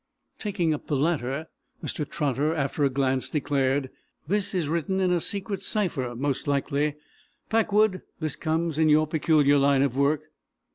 Taking up the latter, Mr. Trotter, after a glance declared: "This is written in a secret cipher, most likely. Packwood, this comes in your peculiar line of work.